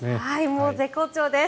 もう絶好調です。